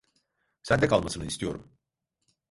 Sende kalmasını istiyorum.